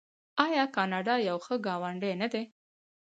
آیا کاناډا یو ښه ګاونډی نه دی؟